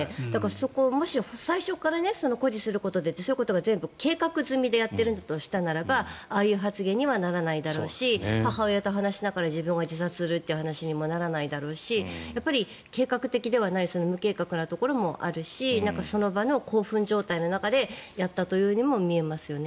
そこがもし最初から誇示することでと全部計画済みでやっているんだとしたらああいう発言にはならないだろうし母親と話しながら自殺するという話にもならないだろうし計画的ではない無計画なところもあるしその場の興奮状態の中でやったようにも見えますよね。